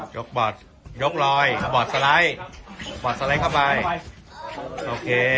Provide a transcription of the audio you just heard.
บอร์ดยกลอยบอร์ดสไลด์บอร์ดสไลด์เข้าไปโอเค